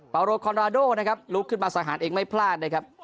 โรคอนราโดนะครับลุกขึ้นมาสังหารเองไม่พลาดนะครับ